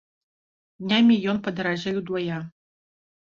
Днямі ён падаражэй удвая.